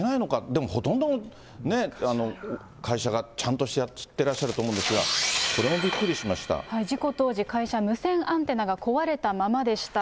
でもほとんどの会社がちゃんとしてらっしゃると思うんですが、こ事故当時、会社、無線アンテナが壊れたままでした。